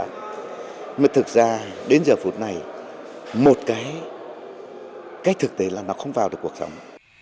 nhưng thực ra đến giờ phút này một cái thực tế là nó không vào được cuộc sống